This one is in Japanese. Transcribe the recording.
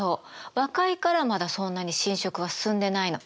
若いからまだそんなに侵食が進んでないの。